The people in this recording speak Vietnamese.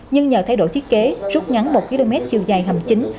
nhưng nhờ thay đổi thiết kế rút ngắn một km chiều dài hầm chính